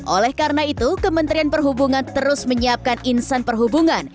oleh karena itu kementerian perhubungan terus menyiapkan insan perhubungan